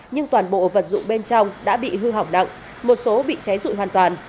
nhưng toàn bộ vật dụng bên trong đã bị hư hỏng nặng một số bị cháy rụi hoàn toàn